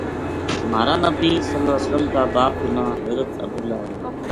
مہارانبی ﷺ کا باپ کو ناں حضرت عبداللہ ہے۔